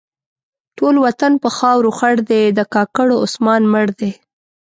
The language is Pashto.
ټول وطن په خاورو خړ دی؛ د کاکړو عثمان مړ دی.